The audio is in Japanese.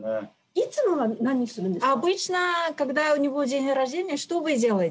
いつもは何するんですか？